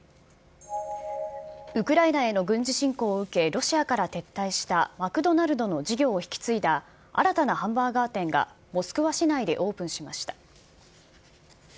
ウクライナへの軍事侵攻を受け、ロシアから撤退したマクドナルドの事業を引き継いだ新たなハンバーガー店が、モスクワ市内でオープンしました。